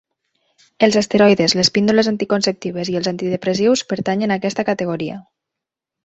Els esteroides, les píndoles anticonceptives i els antidepressius pertanyen a aquesta categoria.